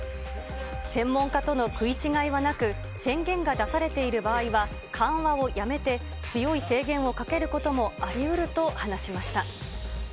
専門家との食い違いはなく、宣言が出されている場合は、緩和をやめて、強い制限をかけることもありうると話しました。